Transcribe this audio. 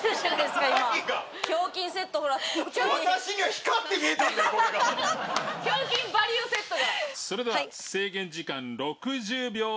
それでは制限時間６０秒です。